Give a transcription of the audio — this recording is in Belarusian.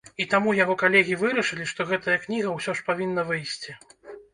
І таму яго калегі вырашылі, што гэтая кніга ўсё ж павінна выйсці.